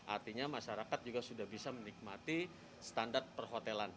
artinya masyarakat juga sudah bisa menikmati standar perhotelan